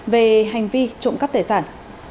về hành vi trộm cắp tài sản